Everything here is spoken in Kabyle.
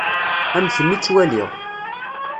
Am kemm i ttwaliɣ.